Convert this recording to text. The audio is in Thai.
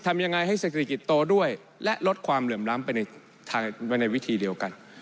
ทำยังไงให้เศรษฐกิจโตด้วยและลดความเหลื่อมล้ำไปในวิธีเดียวกัน